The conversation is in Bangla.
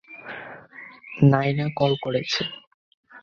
নায়না কল করছে।